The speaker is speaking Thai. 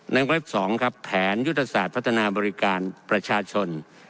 เว็บ๒ครับแผนยุทธศาสตร์พัฒนาบริการประชาชน